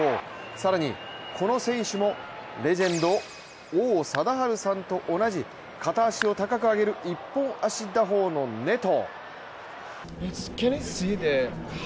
更に、この選手も、レジェンド王貞治さんと同じ片足を高く上げる一本足打法のネト。